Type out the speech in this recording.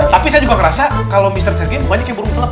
tapi saya juga ngerasa kalau mister sergiem banyak yang burung kelep